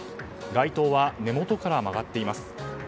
街灯は根元から曲がっています。